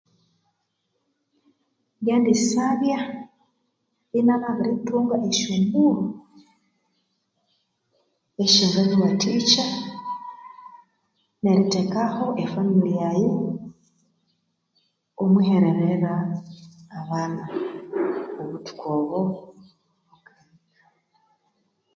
Ngendi sabya ingamabirithunga esyombulho esyanganyiwathikya erithekaho e family yaghe omwihererera abana obuthuko obo.